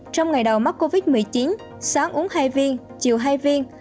trong ngày đầu mắc covid một mươi chín sáng uống hai viên chiều hai viên